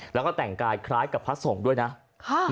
แล้วก็แต่งกายคล้ายกับพระสงฆ์ด้วยนะค่ะ